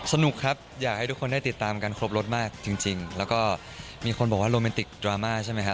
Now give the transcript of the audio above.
สนุกครับอยากให้ทุกคนได้ติดตามกันครบรถมากจริงแล้วก็มีคนบอกว่าโรแมนติกดราม่าใช่ไหมครับ